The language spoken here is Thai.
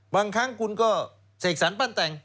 บางครั้งคุณก็เสกสรรปั้นแต่ง